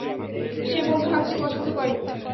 সে মন ভাঙ্গতে পছন্দ করে।